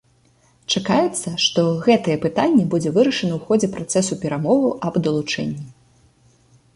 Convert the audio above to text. Чакаецца, што гэтае пытанне будзе вырашана ў ходзе працэсу перамоваў аб далучэнні.